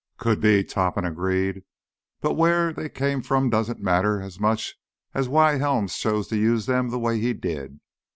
"Could be," Topham agreed. "But where they came from doesn't matter as much as why Helms chose to use them the way he did.